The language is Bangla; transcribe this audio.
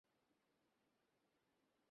উদ্বিগ্ন হবেন না, কাজটা নামের মতো কঠিন না।